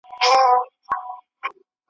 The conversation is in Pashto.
سل روپۍ پوره كه داختر شپه پر كور كه ,